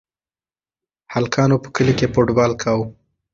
هلکانو په کلي کې فوټبال کاوه.